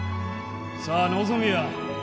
さあ望みや！